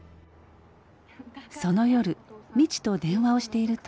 その夜未知と電話をしていると。